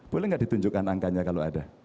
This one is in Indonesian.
boleh nggak ditunjukkan angkanya kalau ada